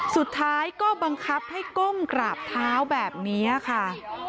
สุดท้ายก็บังคับให้ก้มกราบเท้าแบบนี้ค่ะ